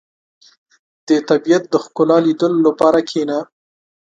• د طبیعت د ښکلا لیدلو لپاره کښېنه.